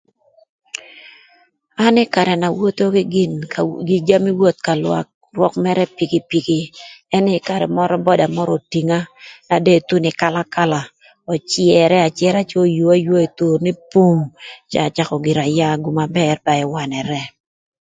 An ï karë na awotho kï gin jami woth ka lwak, rwök mërë pikipiki ënë ï karë mörö böda mörö otinga na dong ethuno ï Kalakala öcërë acëra cë oyua ayua ï thur nï pum cë acakö gira yaa gum na bër ba ëwanërë.